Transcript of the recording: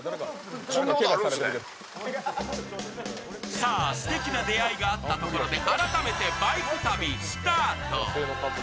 さあ、すてきな出会いがあったところで改めてバイク旅スタート。